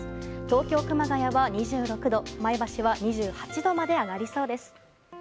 東京、熊谷は２６度前橋は２８度まで上がりそうです。